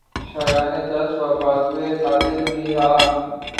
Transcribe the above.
شایانِ دست و بازوےٴ قاتل نہیں رہا